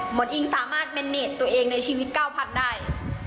หมอนอิงสามารถตัวเองในชีวิตเก้าพันได้